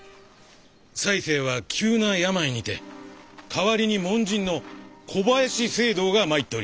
犀星は急な病にて代わりに門人の小林正道が参っております。